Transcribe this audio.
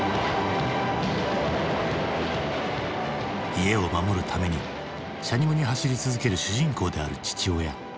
家を守るためにしゃにむに走り続ける主人公である父親。